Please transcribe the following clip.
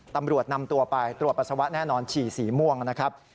ตำรวจนำตัวไปตรวจปัสสาวะแน่นอนฉี่สีม่วงนะครับ